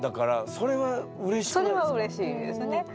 それはうれしいですね。